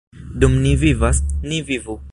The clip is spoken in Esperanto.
Dum ni vivas, ni vivu!